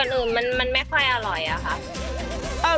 ส่วนอื่นมันไม่ค่อยอร่อยนะครับ